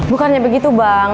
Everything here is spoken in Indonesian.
bukannya begitu bang